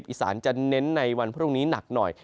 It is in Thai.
อีสานจะเน้นในวันพรุ่งนี้หนักหน่อย